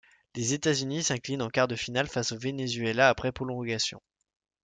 Les États-Unis s'inclinent en quart de finale face au Venezuela après prolongation.